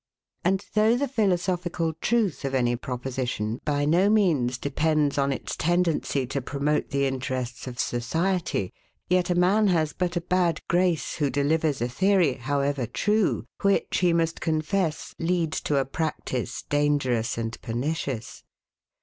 And though the philosophical truth of any proposition by no means depends on its tendency to promote the interests of society; yet a man has but a bad grace, who delivers a theory, however true, which, he must confess, leads to a practice dangerous and pernicious.